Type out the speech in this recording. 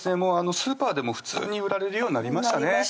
スーパーでも普通に売られるようになりましたね